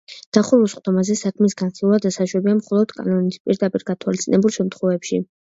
დახურულ სხდომაზე საქმის განხილვა დასაშვებია მხოლოდ კანონით პირდაპირ გათვალისწინებულ შემთხვევებში.